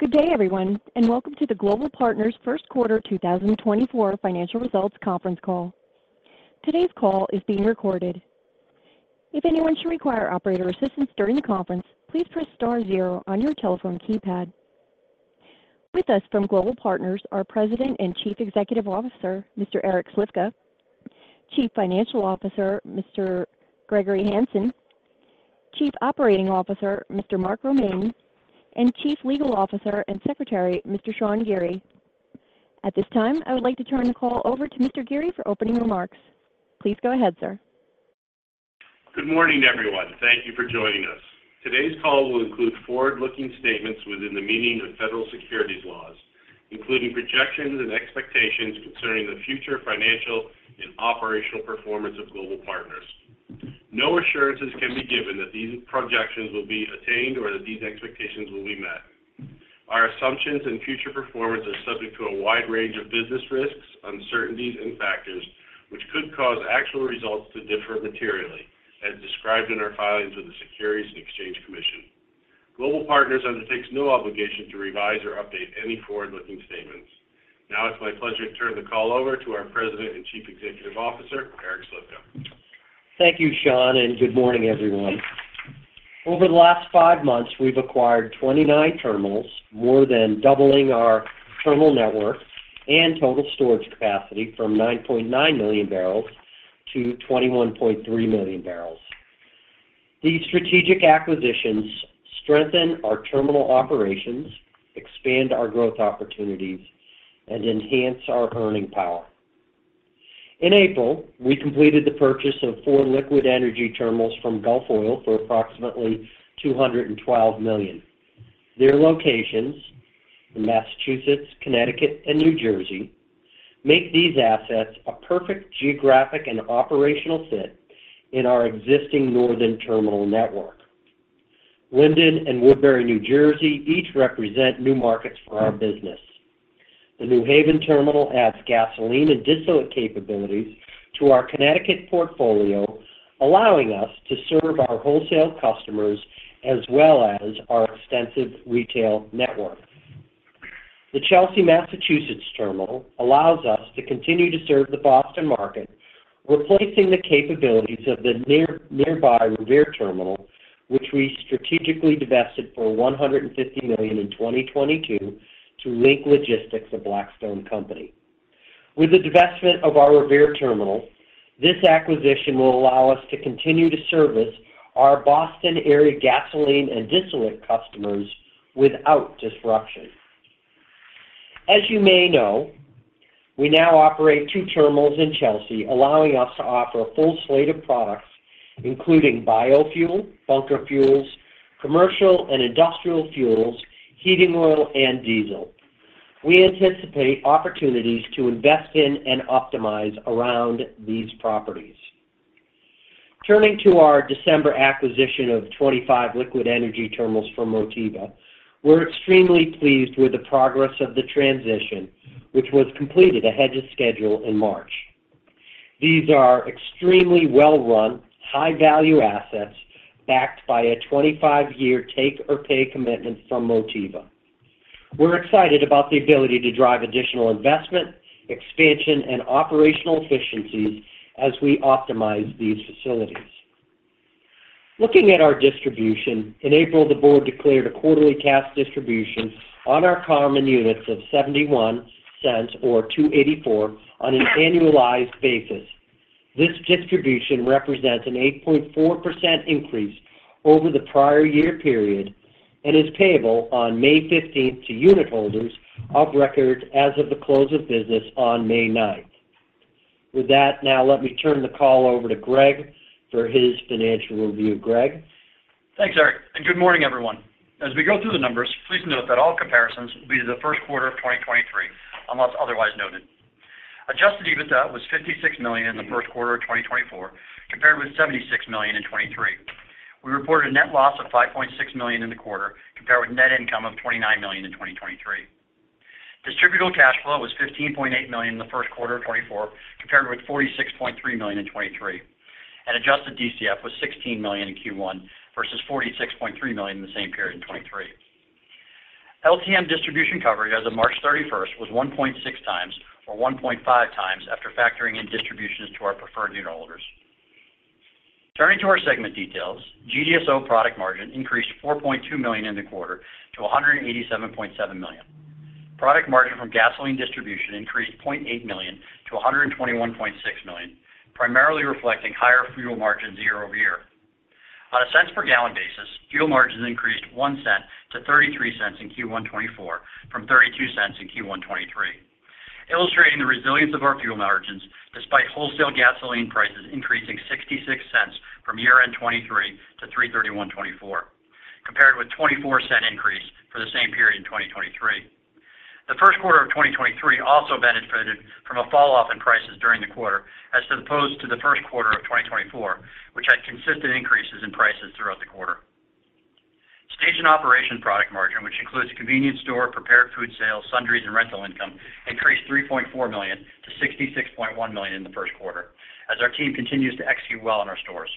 Good day, everyone, and welcome to the Global Partners Q1 2024 Financial Results Conference Call. Today's call is being recorded. If anyone should require Operator assistance during the conference, please press * 0 on your telephone keypad. With us from Global Partners are President and Chief Executive Officer, Mr. Eric Slifka; Chief Financial Officer, Mr. Gregory Hanson; Chief Operating Officer, Mr. Mark Romaine; and Chief Legal Officer and Secretary, Mr. Sean Geary. At this time, I would like to turn the call over to Mr. Geary for opening remarks. Please go ahead, sir. Good morning, everyone. Thank you for joining us. Today's call will include forward-looking statements within the meaning of federal securities laws, including projections and expectations concerning the future financial and operational performance of Global Partners. No assurances can be given that these projections will be attained or that these expectations will be met. Our assumptions and future performance are subject to a wide range of business risks, uncertainties, and factors, which could cause actual results to differ materially, as described in our filings with the Securities and Exchange Commission. Global Partners undertakes no obligation to revise or update any forward-looking statements. Now it's my pleasure to turn the call over to our President and Chief Executive Officer, Eric Slifka. Thank you, Sean, and good morning, everyone. Over the last 5 months, we've acquired 29 terminals, more than doubling our terminal network and total storage capacity from 9.9 million barrels to 21.3 million barrels. These strategic acquisitions strengthen our terminal operations, expand our growth opportunities, and enhance our earning power. In April, we completed the purchase of four liquid energy terminals from Gulf Oil for approximately $212 million. Their locations in Massachusetts, Connecticut, and New Jersey make these assets a perfect geographic and operational fit in our existing northern terminal network. Linden and Woodbury, New Jersey, each represent new markets for our business. The New Haven terminal adds gasoline and distillate capabilities to our Connecticut portfolio, allowing us to serve our wholesale customers as well as our extensive retail network. The Chelsea, Massachusetts, terminal allows us to continue to serve the Boston market, replacing the capabilities of the near, nearby Revere terminal, which we strategically divested for $150 million in 2022 to Link Logistics, a Blackstone company. With the divestment of our Revere terminal, this acquisition will allow us to continue to service our Boston area gasoline and distillate customers without disruption. As you may know, we now operate two terminals in Chelsea, allowing us to offer a full slate of products, including biofuel, bunker fuels, commercial and industrial fuels, heating oil, and diesel. We anticipate opportunities to invest in and optimize around these properties. Turning to our December acquisition of 25 liquid energy terminals from Motiva, we're extremely pleased with the progress of the transition, which was completed ahead of schedule in March. These are extremely well-run, high-value assets backed by a 25-year take-or-pay commitment from Motiva. We're excited about the ability to drive additional investment, expansion, and operational efficiencies as we optimize these facilities. Looking at our distribution, in April, the board declared a quarterly cash distribution on our common units of $0.71 or $2.84 on an annualized basis. This distribution represents an 8.4% increase over the prior year period and is payable on May fifteenth to unitholders of record as of the close of business on May ninth. With that, now let me turn the call over to Greg for his financial review. Greg? Thanks, Eric, and good morning, everyone. As we go through the numbers, please note that all comparisons will be to the Q1 of 2023, unless otherwise noted. Adjusted EBITDA was $56 million in the Q1 of 2024, compared with $76 million in 2023. We reported a net loss of $5.6 million in the quarter, compared with net income of $29 million in 2023. Distributable Cash Flow was $15.8 million in the Q1 of 2024, compared with $46.3 million in 2023, and Adjusted DCF was $16 million in Q1 versus $46.3 million in the same period in 2023. LTM distribution coverage as of March 31st was 1.6 times or 1.5 times after factoring in distributions to our preferred unitholders. Turning to our segment details, GDSO product margin increased $4.2 million in the quarter to $187.7 million. Product margin from gasoline distribution increased $0.8 million to $121.6 million, primarily reflecting higher fuel margins year-over-year. On a cents per gallon basis, fuel margins increased 1 cent to 33 cents in Q1 2024 from 32 cents in Q1 2023, illustrating the resilience of our fuel margins despite wholesale gasoline prices increasing $0.66 from year-end 2023 to 3/31/2024, compared with $0.24 increase for the same period in 2023. The Q1 of 2023 also benefited from a falloff in prices during the quarter, as opposed to the Q1 of 2024, which had consistent increases in prices throughout the quarter. Station operation product margin, which includes convenience store, prepared food sales, sundries, and rental income, increased $3.4 million to $66.1 million in the Q1, as our team continues to execute well in our stores.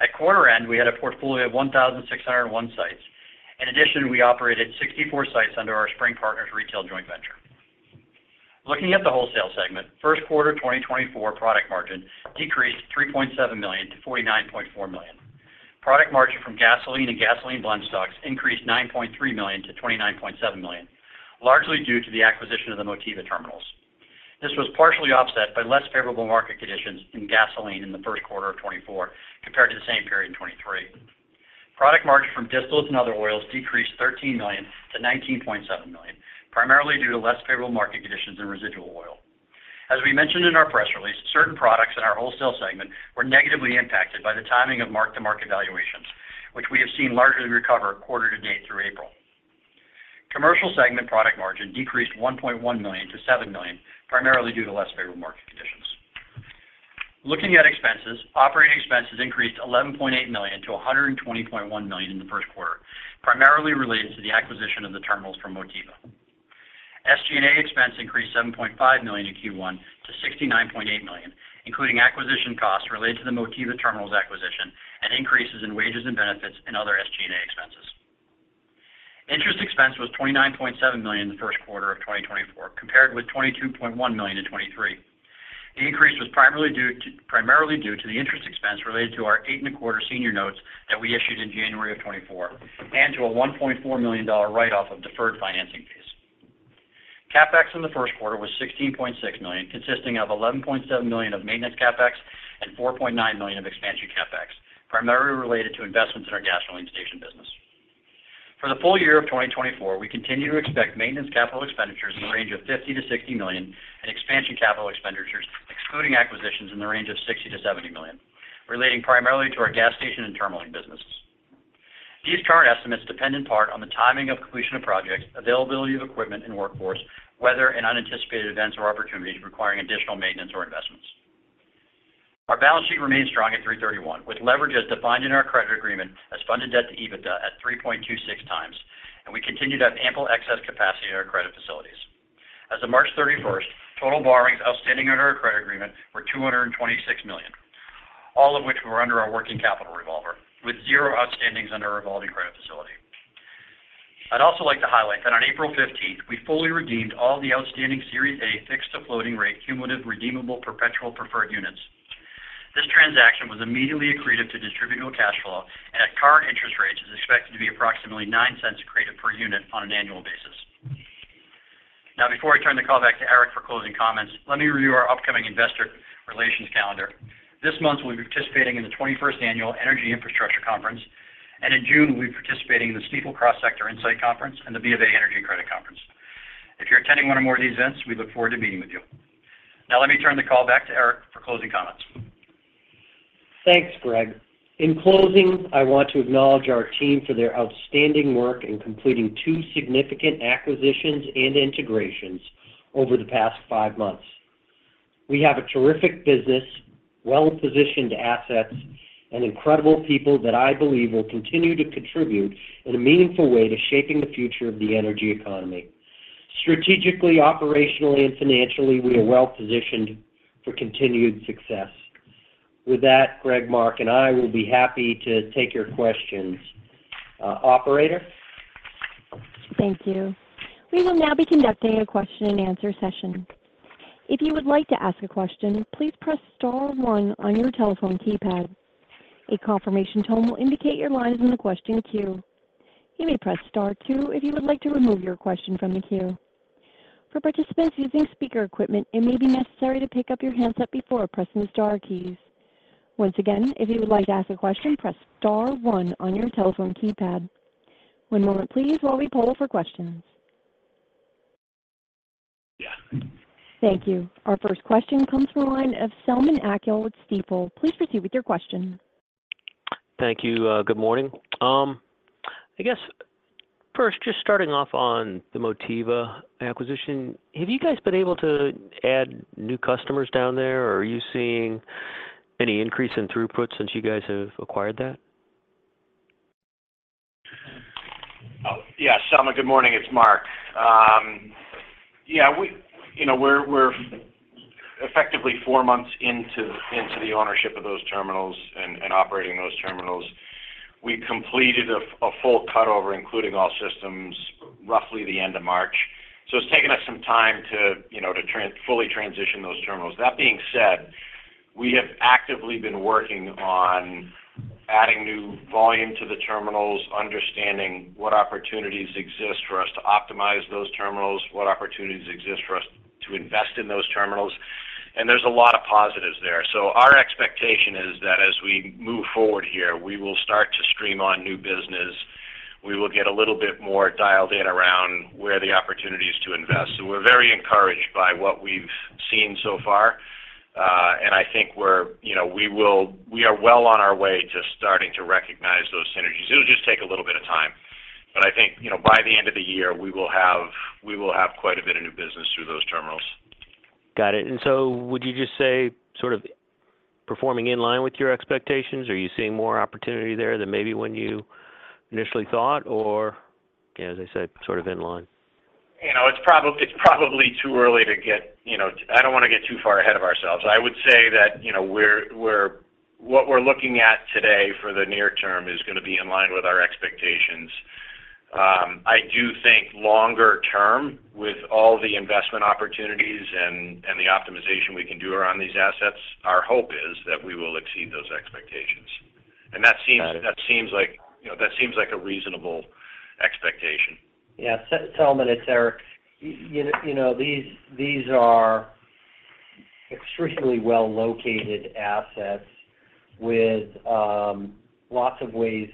At quarter end, we had a portfolio of 1,601 sites. In addition, we operated 64 sites under our Spring Partners retail joint venture. Looking at the wholesale segment, 2024 product margin decreased $3.7 million to $49.4 million. Product margin from gasoline and gasoline blendstocks increased $9.3 million to $29.7 million, largely due to the acquisition of the Motiva terminals. This was partially offset by less favorable market conditions in gasoline in the Q1 of 2024 compared to the same period in 2023. Product margin from distillates and other oils decreased $13 million to $19.7 million, primarily due to less favorable market conditions in residual oil. As we mentioned in our press release, certain products in our wholesale segment were negatively impacted by the timing of mark-to-market valuations, which we have seen largely recover quarter to date through April. Commercial segment product margin decreased $1.1 million to $7 million, primarily due to less favorable market conditions. Looking at expenses, operating expenses increased $11.8 million to $120.1 million in the Q1, primarily related to the acquisition of the terminals from Motiva. SG&A expense increased $7.5 million in Q1 to $69.8 million, including acquisition costs related to the Motiva terminals acquisition and increases in wages and benefits and other SG&A expenses. Interest expense was $29.7 million in the Q1 of 2024, compared with $22.1 million in 2023. The increase was primarily due to the interest expense related to our 8.25% Senior Notes that we issued in January of 2024, and to a $1.4 million write-off of deferred financing fees. CapEx in the Q1 was $16.6 million, consisting of $11.7 million of maintenance CapEx and $4.9 million of expansion CapEx, primarily related to investments in our gasoline station business. For the full year of 2024, we continue to expect maintenance capital expenditures in the range of $50 million to $60 million and expansion capital expenditures, excluding acquisitions, in the range of $60 million to $70 million, relating primarily to our gas station and terminaling businesses. These current estimates depend in part on the timing of completion of projects, availability of equipment and workforce, weather and unanticipated events or opportunities requiring additional maintenance or investments. Our balance sheet remains strong at 3/31, with leverage as defined in our credit agreement as funded debt to EBITDA at 3.26x, and we continue to have ample excess capacity in our credit facilities. As of March 31st, total borrowings outstanding under our credit agreement were $226 million, all of which were under our working capital revolver, with 0 outstandings under our revolving credit facility. I'd also like to highlight that on April 15, we fully redeemed all the outstanding Series A Fixed-to-Floating Rate Cumulative Redeemable Perpetual Preferred Units. This transaction was immediately accretive to distributable cash flow, and at current interest rates, is expected to be approximately $0.09 accretive per unit on an annual basis. Now, before I turn the call back to Eric for closing comments, let me review our upcoming investor relations calendar. This month, we'll be participating in the 21st Annual Energy Infrastructure Conference, and in June, we'll be participating in the Stifel Cross Sector Insight Conference and the BofA Energy and Credit Conference. If you're attending one or more of these events, we look forward to meeting with you. Now, let me turn the call back to Eric for closing comments. Thanks, Greg. In closing, I want to acknowledge our team for their outstanding work in completing two significant acquisitions and integrations over the past 5 months. We have a terrific business, well-positioned assets, and incredible people that I believe will continue to contribute in a meaningful way to shaping the future of the energy economy. Strategically, operationally, and financially, we are well positioned for continued success. With that, Greg, Mark, and I will be happy to take your questions. operator? Thank you. We will now be conducting a question-and-answer session. If you would like to ask a question, please press * 1 on your telephone keypad. A confirmation tone will indicate your line is in the question queue. You may press * 2 if you would like to remove your question from the queue. For participants using speaker equipment, it may be necessary to pick up your handset before pressing the star keys. Once again, if you would like to ask a question, press * 1 on your telephone keypad. One moment, please, while we poll for questions. Thank you. Our first question comes from the line of Selman Akyol with Stifel. Please proceed with your question. Thank you. Good morning. I guess first, just starting off on the Motiva acquisition, have you guys been able to add new customers down there, or are you seeing any increase in throughput since you guys have acquired that? Oh, yeah. Selman, good morning, it's Mark. Yeah, we, you know, we're, we're effectively 4 months into, into the ownership of those terminals and, and operating those terminals. We completed a full cutover, including all systems, roughly the end of March. So it's taken us some time to, you know, to fully transition those terminals. That being said, we have actively been working on adding new volume to the terminals, understanding what opportunities exist for us to optimize those terminals, what opportunities exist for us to invest in those terminals, and there's a lot of positives there. So our expectation is that as we move forward here, we will start to stream on new business. We will get a little bit more dialed in around where are the opportunities to invest. So we're very encouraged by what we've seen so far, and I think we're... You know, we are well on our way to starting to recognize those synergies. It'll just take a little bit of time, but I think, you know, by the end of the year, we will have quite a bit of new business through those terminals. Got it. And so would you just say sort of performing in line with your expectations? Are you seeing more opportunity there than maybe when you initially thought, or, as I said, sort of in line? you know, it's probably too early to get, you know, I don't wanna get too far ahead of ourselves. I would say that, you know, we're what we're looking at today for the near term is gonna be in line with our expectations. I do think longer term, with all the investment opportunities and the optimization we can do around these assets, our hope is that we will exceed those expectations. And that seems- Got it. That seems like, you know, that seems like a reasonable expectation. Yeah. Selman, it's Eric. You know, these are extremely well-located assets with lots of ways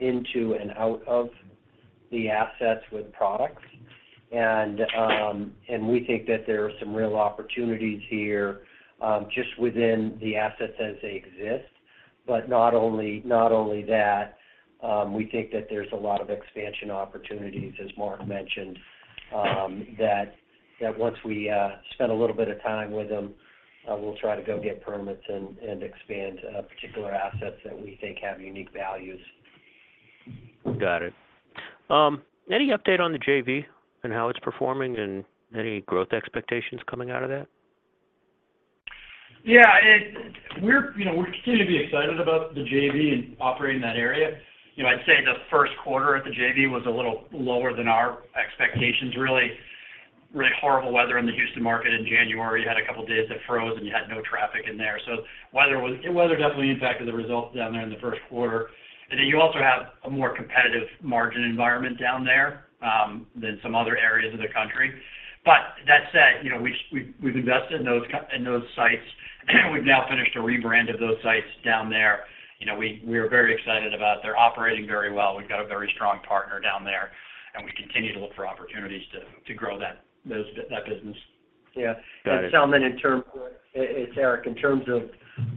into and out of the assets with products. And we think that there are some real opportunities here just within the assets as they exist. But not only that, we think that there's a lot of expansion opportunities, as Mark mentioned, that once we spend a little bit of time with them, we'll try to go get permits and expand particular assets that we think have unique values. Got it. Any update on the JV and how it's performing, and any growth expectations coming out of that? Yeah, we're, you know, we continue to be excited about the JV and operating that area. You know, I'd say the Q1 at the JV was a little lower than our expectations. Really, really horrible weather in the Houston market in January. You had a couple days that froze, and you had no traffic in there. So weather was... Weather definitely impacted the results down there in the Q1. And then you also have a more competitive margin environment down there than some other areas of the country. But that said, you know, we've invested in those sites, and we've now finished a rebrand of those sites down there. You know, we're very excited about... They're operating very well. We've got a very strong partner down there, and we continue to look for opportunities to grow that business. Yeah. Got it. It's Eric. In terms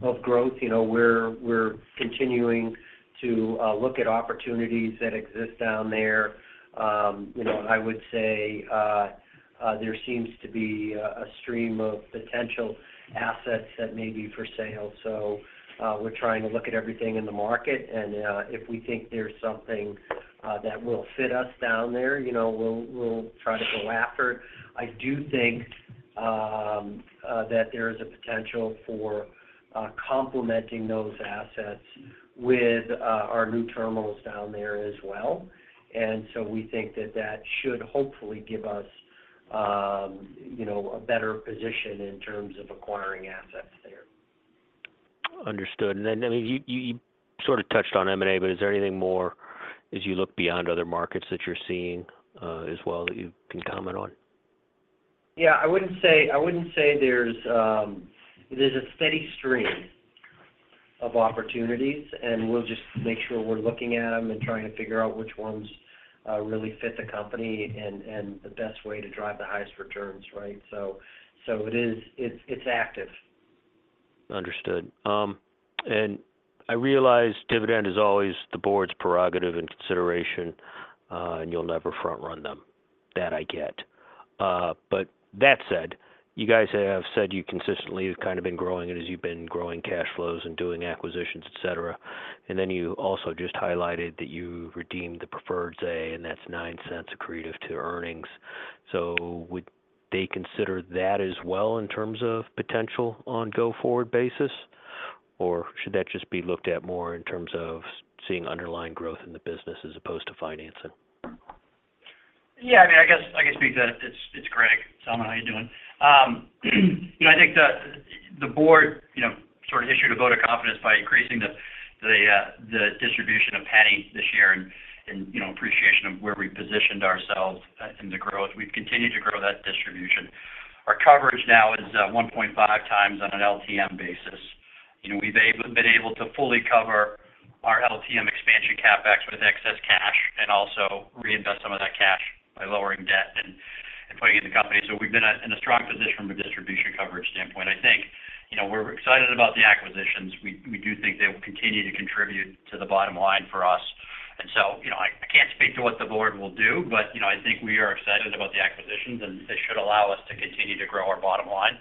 of growth, you know, we're continuing to look at opportunities that exist down there. You know, I would say, there seems to be a stream of potential assets that may be for sale. So, we're trying to look at everything in the market, and, if we think there's something that will fit us down there, you know, we'll try to go after. I do think that there is a potential for complementing those assets with our new terminals down there as well. And so we think that that should hopefully give us, you know, a better position in terms of acquiring assets there. Understood. Then, I mean, you sort of touched on M&A, but is there anything more as you look beyond other markets that you're seeing as well that you can comment on? Yeah, I wouldn't say there's a steady stream of opportunities, and we'll just make sure we're looking at them and trying to figure out which ones really fit the company and the best way to drive the highest returns, right? So it is active. Understood. And I realize dividend is always the board's prerogative and consideration, and you'll never front-run them. That I get. But that said, you guys have said you consistently have kind of been growing it as you've been growing cash flows and doing acquisitions, et cetera. And then you also just highlighted that you redeemed the preferreds, and that's $0.09 accretive to earnings. So would they consider that as well in terms of potential on go-forward basis? Or should that just be looked at more in terms of seeing underlying growth in the business as opposed to financing? Yeah, I mean, I guess, I can speak to that. It's Greg. Selman, how you doing? You know, I think the board, you know, sort of, issued a vote of confidence by increasing the distribution 10% this year, and, you know, appreciation of where we've positioned ourselves in the growth. We've continued to grow that distribution. Our coverage now is 1.5 times on an LTM basis. You know, we've been able to fully cover our LTM expansion CapEx with excess cash and also reinvest some of that cash by lowering debt and putting it in the company. So we've been in a strong position from a distribution coverage standpoint. I think, you know, we're excited about the acquisitions. We do think they will continue to contribute to the bottom line for us. And so, you know, I can't speak to what the board will do, but, you know, I think we are excited about the acquisitions, and they should allow us to continue to grow our bottom line.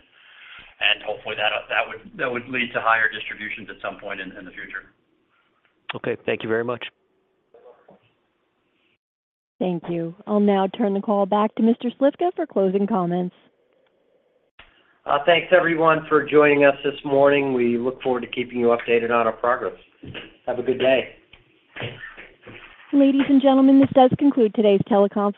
And hopefully that, that would, that would lead to higher distributions at some point in, in the future. Okay. Thank you very much. Thank you. I'll now turn the call back to Mr. Slifka for closing comments. Thanks, everyone, for joining us this morning. We look forward to keeping you updated on our progress. Have a good day. Ladies and gentlemen, this does conclude today's teleconference.